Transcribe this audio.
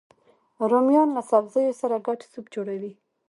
رومیان له سبزیو سره ګډ سوپ جوړوي